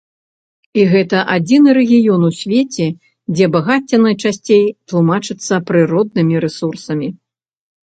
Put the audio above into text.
І гэта адзіны рэгіён у свеце, дзе багацце найчасцей тлумачыцца прыроднымі рэсурсамі.